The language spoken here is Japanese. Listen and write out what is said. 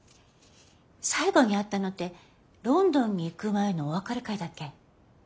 最後に会ったのってロンドンに行く前のお別れ会だっけ？